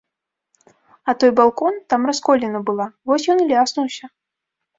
А той балкон, там расколіна была, вось ён і ляснуўся.